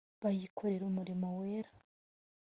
bakayikorera umurimo wera